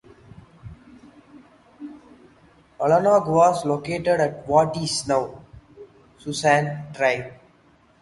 Algonac was located at what is now Susan Drive.